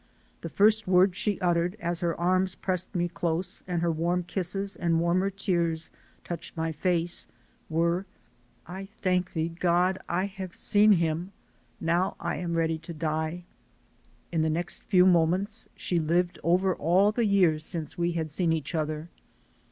The first words she uttered, as her arms pressed me close and her warm kisses and warmer tears touched my face, were: "I thank Thee, God. I have seen him. Now I am ready to die." In the next few moments she lived over all the years since we had seen each other.